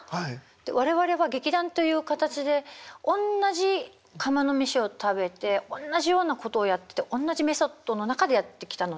我々は劇団という形でおんなじ釜の飯を食べておんなじようなことをやってておんなじメソッドの中でやってきたので。